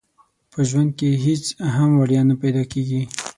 په ژوند کې هيڅ هم وړيا نه پيدا کيږي.